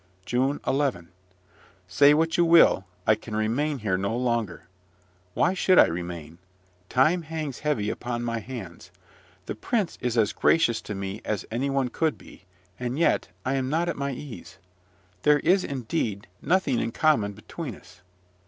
JUNE 11. Say what you will, I can remain here no longer. Why should I remain? Time hangs heavy upon my hands. The prince is as gracious to me as any one could be, and yet I am not at my ease. There is, indeed, nothing in common between us.